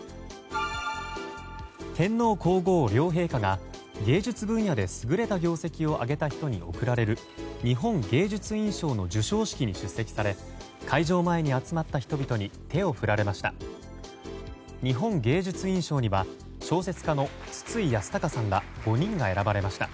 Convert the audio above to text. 天皇・皇后両陛下が芸術分野で優れた業績を上げた人に贈られる日本芸術院賞の授賞式に出席され会場前に集まった人々に手を振られました。